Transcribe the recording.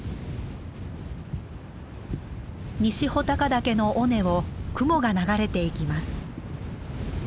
西穂高岳の尾根を雲が流れていきます。